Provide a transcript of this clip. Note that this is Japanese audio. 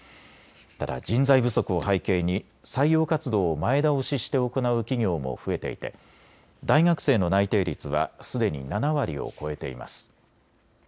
ただ人材不足を背景に採用活動を前倒しして行う企業も増えていて大学生の内定率はすでに７割を超えています。